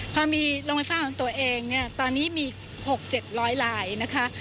พอมีโรงไฟฟ้าของตัวเองเนี่ยตอนนี้มี๖๗๐๐ลายนะคะ